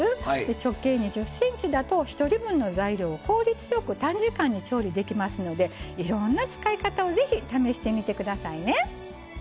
直径２０ｃｍだと１人分の材料を効率よく短時間に調理できますのでいろんな使い方を是非試してみて下さいね。